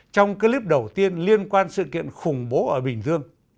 trong clip đầu tiên liên quan sự kiện khủng bố ở bình dương